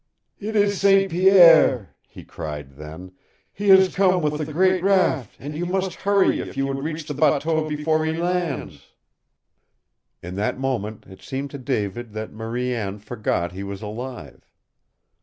"It is St. Pierre!" he cried then. "He has come with the great raft, and you must hurry if you would reach the bateau before he lands!" In that moment it seemed to David that Marie Anne forgot he was alive.